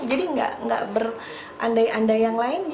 jadi nggak berandai andai yang lainnya